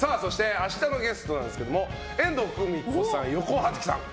明日のゲストですが遠藤久美子さん、横尾初喜さん。